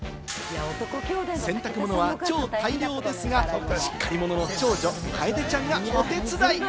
洗濯物は超大量ですが、しっかり者の長女・かえでちゃんがお手伝い。